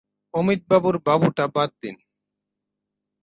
অমিতবাবুর বাবুটা বাদ দিন।